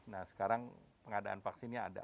nah sekarang pengadaan vaksinnya ada